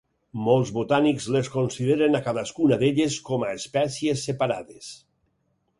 Molts botànics les consideren a cadascuna d'elles com a espècies separades.